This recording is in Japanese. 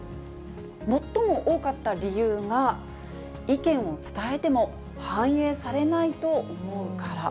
最も多かった理由が、意見を伝えても、反映されないと思うから。